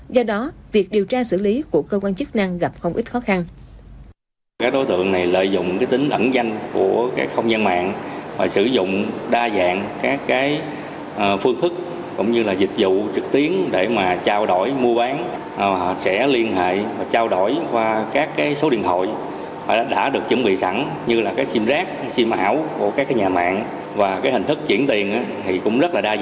do đó việc điều tra xử lý của cơ quan chức năng gặp không ít khó khăn